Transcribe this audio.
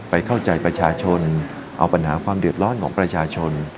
เข้าใจประชาชนเอาปัญหาความเดือดร้อนของประชาชน